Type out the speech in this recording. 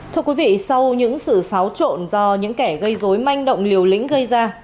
thưa quý vị sau những sự xáo trộn do những kẻ gây dối manh động liều lĩnh gây ra